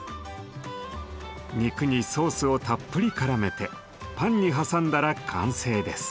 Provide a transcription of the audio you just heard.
肉にソースをたっぷりからめてパンに挟んだら完成です。